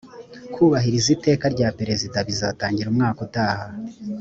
kubahiriza iteka rya perezida bizatangira umwaka utaha